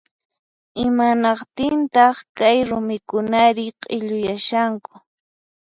Imanaqtintaq kay rumikunari q'illuyashanku